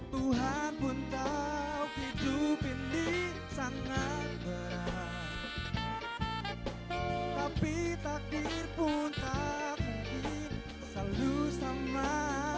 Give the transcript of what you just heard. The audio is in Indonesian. tuhan ku tahu hidup ini sangat berat tapi takdir pun takut di selesai